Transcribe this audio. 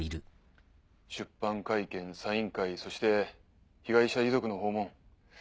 出版会見サイン会そして被害者遺族の訪問